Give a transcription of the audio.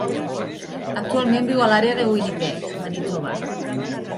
Actualment viu a l'àrea de Winnipeg, Manitoba.